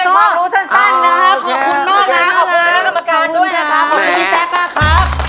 ออกยักษ์